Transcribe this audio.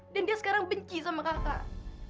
dan dia sekarang benci sama kakak